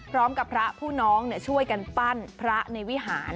พร้อมกับพระผู้น้องช่วยกันปั้นพระในวิหาร